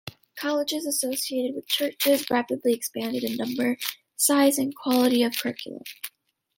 Colleges associated with churches rapidly expanded in number, size and quality of curriculum.